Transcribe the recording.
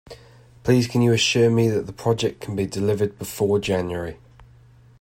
Please can you assure me that the project can be delivered before January?